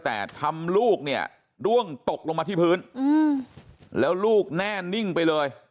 แต่ทำลูกเนี่ยร่วงตกลงมาที่พื้นแล้วลูกแน่นิ่งไปเลย